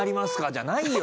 じゃないよ！